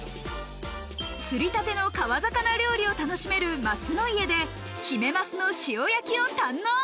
釣りたての川魚料理を楽しめる鱒の家でヒメマスの塩焼きを堪能。